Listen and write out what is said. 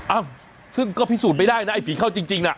เอ้าซึ่งก็พิสูจน์ไม่ได้นะไอผีเข้าจริงน่ะ